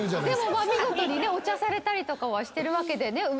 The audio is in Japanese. でも見事にねお茶されたりとかしてるわけでね。